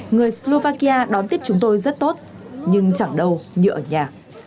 người slovakia đón tiếp chúng tôi rất tốt nhưng chẳng đâu như ở nhà